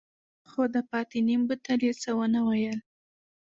خو د پاتې نيم بوتل يې څه ونه ويل.